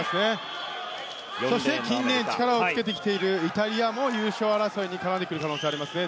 そして、近年力をつけてきているイタリアも優勝争いに絡んでくる可能性がありますね。